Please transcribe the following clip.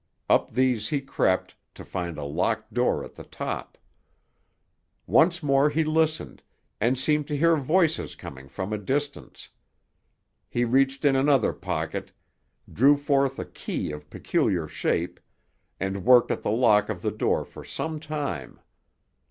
Up these he crept, to find a locked door at the top. Once more he listened, and seemed to hear voices coming from a distance. He reached in another pocket, drew forth a key of peculiar shape, and worked at the lock of the door for some time.